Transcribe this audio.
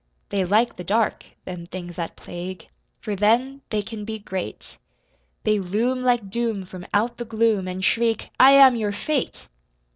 They like the dark, them things that plague, For then they can be great, They loom like doom from out the gloom, An' shriek: "I am your Fate!"